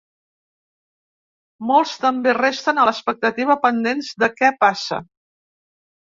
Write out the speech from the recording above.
Molts també resten a l’expectativa, pendents de què passa.